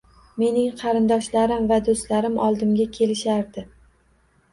Mening qarindoshlarim va do'stlarim oldimga kelishardi